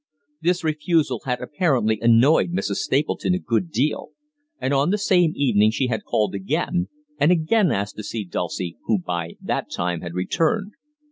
This refusal had apparently annoyed Mrs. Stapleton a good deal, and on the same evening she had called again, and again asked to see Dulcie, who by that time had returned.